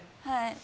はい。